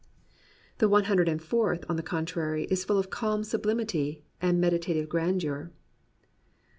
The One Hundred and Fourth, on the contrary, is full of calm sublimity and meditative grandeur.